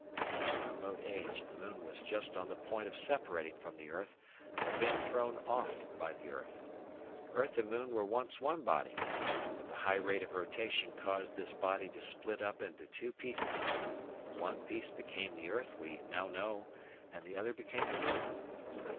In that remote age the moon was just on the point of separating from the earth, of being thrown off by the earth. Earth and moon were once one body, but the high rate of rotation caused this body to split up into two pieces; one piece became the earth we now know, and the other became the moon.